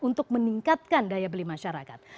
untuk meningkatkan daya beli masyarakat